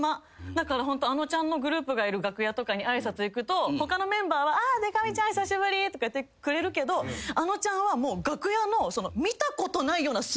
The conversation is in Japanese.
だからあのちゃんのグループがいる楽屋とかに挨拶行くと他のメンバーは「でか美ちゃん久しぶり」とか言ってくれるけどあのちゃんはもう。